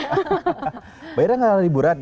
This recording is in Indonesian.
mbak ira nggak ada liburan